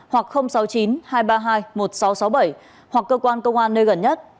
hoặc sáu mươi chín hai trăm ba mươi hai một nghìn sáu trăm sáu mươi bảy hoặc cơ quan công an nơi gần nhất